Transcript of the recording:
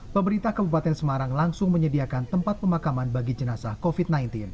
pemerintah kabupaten semarang langsung menyediakan tempat pemakaman bagi jenazah covid sembilan belas